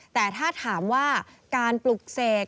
แต่ถ้าถามว่าการปลุกเสก